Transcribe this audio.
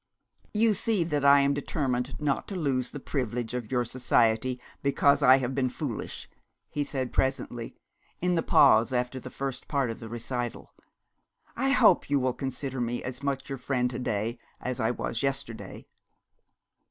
'You see that I am determined not to lose the privilege of your society, because I have been foolish!' he said presently, in the pause after the first part of the recital. 'I hope you will consider me as much your friend to day as I was yesterday.'